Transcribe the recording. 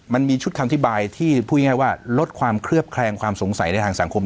มันมีชุดคำอธิบายที่พูดง่ายว่าลดความเคลือบแคลงความสงสัยในทางสังคม